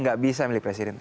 enggak bisa milih presiden